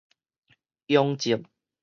雍正